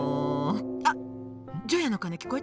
あっ除夜の鐘聞こえた？